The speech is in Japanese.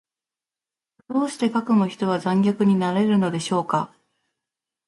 どうしてかくも人は残虐になれるのでしょうか。